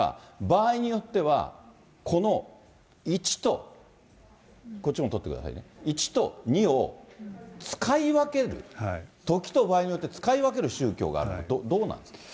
場合によっては、この１と、こっちも撮ってくださいね、１と２を使い分ける、時と場合によって使い分ける宗教がある、どうなんですか。